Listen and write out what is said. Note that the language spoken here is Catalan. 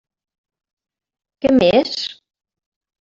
Què més?